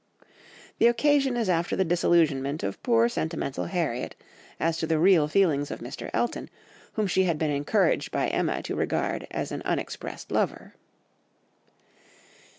The occasion is after the disillusionment of poor sentimental Harriet as to the real feelings of Mr. Elton, whom she had been encouraged by Emma to regard as an unexpressed lover.